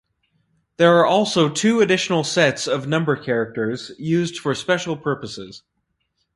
There are also two additional sets of number characters used for special purposes.